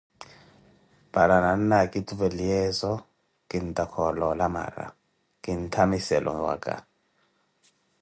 Paara nanna akituveliyezo kintaaka oloola mara kintamissele owaka.